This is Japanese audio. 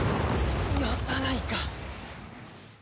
よさないか！